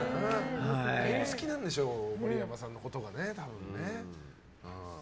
好きなんでしょうね森山さんのことがね。